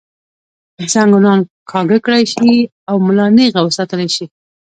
زنګونان کاږۀ کړے شي او ملا نېغه وساتلے شي